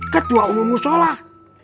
ketua umum musolah